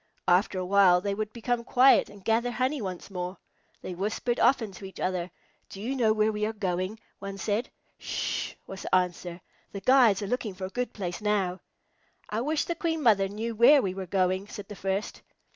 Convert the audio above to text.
After a while they would become quiet and gather honey once more. They whispered often to each other. "Do you know where we are going?" one said. "Sh!" was the answer. "The guides are looking for a good place now." "I wish the Queen Mother knew where we are going," said the first.